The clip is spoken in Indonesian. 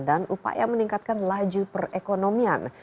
dan upaya meningkatkan laju perekonomian